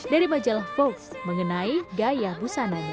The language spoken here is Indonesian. dari majalah vogue mengenai gaya busananya